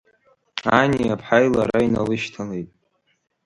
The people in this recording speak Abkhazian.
Ани аԥҳаи лара иналышьҭалеит.